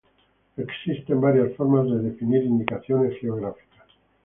Existen varias formas de definir indicaciones geográficas.